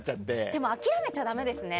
でも諦めちゃダメですね。